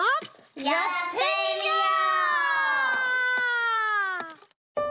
やってみよう！